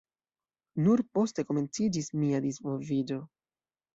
Nur poste komenciĝis mia disvolviĝo.